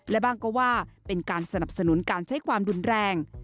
และบ้างก็ว่าเป็นการสนับสนุนการใช้ความรุนแรง